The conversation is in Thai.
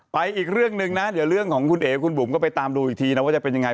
อีกเรื่องหนึ่งนะเดี๋ยวเรื่องของคุณเอ๋คุณบุ๋มก็ไปตามดูอีกทีนะว่าจะเป็นยังไง